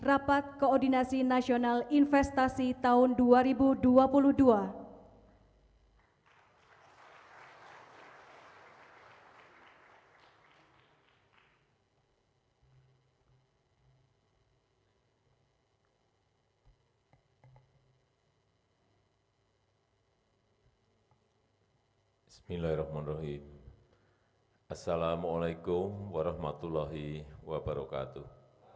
assalamualaikum warahmatullahi wabarakatuh